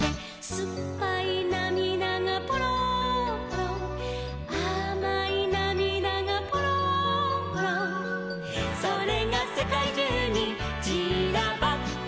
「すっぱいなみだがぽろんぽろん」「あまいなみだがぽろんぽろん」「それがせかいじゅうにちらばって」